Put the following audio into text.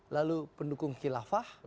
lalu pendukung khilafah